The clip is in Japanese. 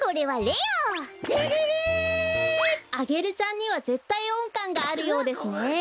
レレレ！？アゲルちゃんにはぜったいおんかんがあるようですね。